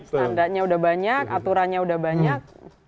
tandanya sudah banyak aturannya sudah banyak